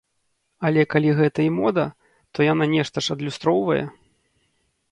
Але калі гэта і мода, то яна нешта ж і адлюстроўвае.